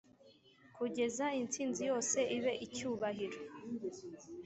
kugeza intsinzi yose ibe icyubahiro,